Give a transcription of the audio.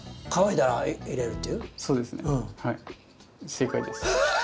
正解です。